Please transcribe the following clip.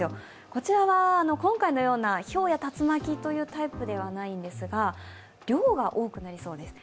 こちらは今回のような、ひょうや竜巻というタイプではないんですが量が多くなりそうです。